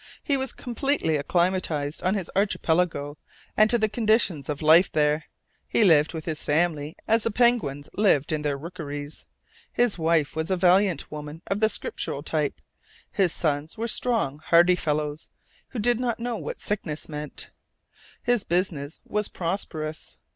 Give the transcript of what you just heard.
He was completely acclimatized on his archipelago, and to the conditions of life there. He lived with his family as the penguins lived in their rookeries. His wife was a "valiant" woman of the Scriptural type, his sons were strong, hardy fellows, who did not know what sickness meant. His business was prosperous.